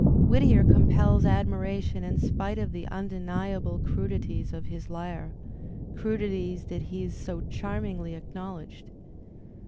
Whittier compels admiration in spite of the undeniable crudi ties of his lyre, crudities that he so charmingly acknowledged.